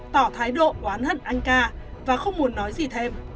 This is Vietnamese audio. tỏ thái độ oán hận anh ca và không muốn nói gì thêm